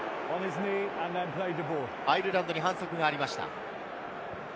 アイルランドに反則がありました。